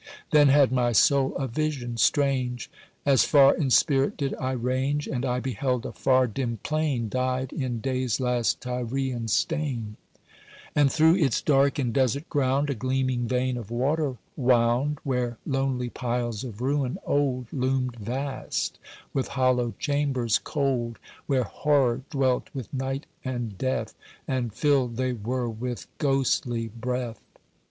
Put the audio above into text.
Then had my soul a vision strange, As far in spirit did I range, And I beheld a far dim plain, Dyed in day's last Tyrean stain, And through its dark and desert ground A gleaming vein of water wound, Where lonely piles of ruin old Loomed vast, with hollow chambers cold, Where horror dwelt with night and death, And filled they were with ghostly breath.